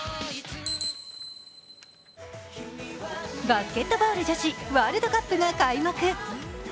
バスケットボール女子、ワールドカップが開幕。